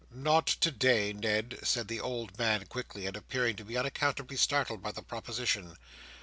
"Not today, Ned!" said the old man quickly, and appearing to be unaccountably startled by the proposition.